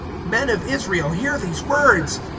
(22)Men of Israel, hear these words!